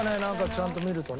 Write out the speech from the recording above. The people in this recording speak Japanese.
「ちゃんと見ると」。